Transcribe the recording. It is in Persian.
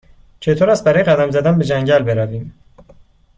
چطور است برای قدم زدن به جنگل برویم؟